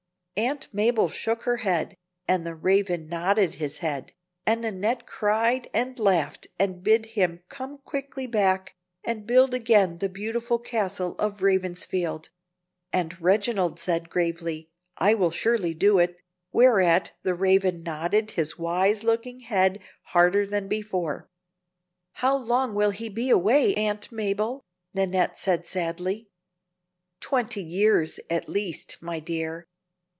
Aunt Mabel shook her head, and the Raven nodded his head, and Nannette cried and laughed, and bid him "come quickly back, and build again the beautiful castle of Ravensfield"; and Reginald said, gravely, "I will surely do it," whereat the Raven nodded his wise looking head harder than before. "How long will he be away, Aunt Mabel?" said Nannette, sadly. "Twenty years at least, my dear.